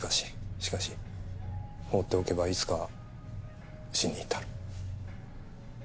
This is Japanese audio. しかし放っておけばいつか死に至る。